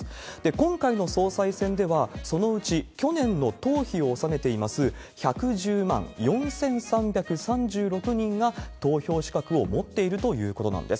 今回の総裁選では、そのうち去年の党費を納めています１１０万４３３６人が投票資格を持っているということなんです。